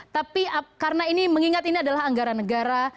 tapi karena ini mengingat ini adalah anggaran negara